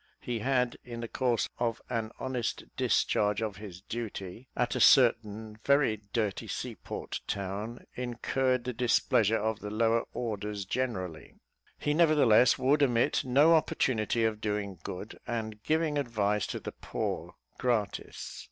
He had, in the course of an honest discharge of his duty, at a certain very dirty sea port town, incurred the displeasure of the lower orders generally: he nevertheless would omit no opportunity of doing good, and giving advice to the poor, gratis.